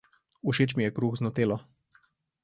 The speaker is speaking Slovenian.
Všeč mi je kruh z nutelo.